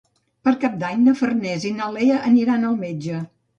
Per Cap d'Any na Farners i na Lea aniran al metge.